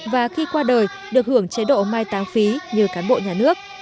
và khi qua đời được hưởng chế độ mai táng phí như cán bộ nhà nước